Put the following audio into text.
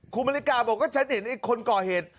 คุณมริกาบอกว่าฉันเห็นไอ้คนก่อเหตุ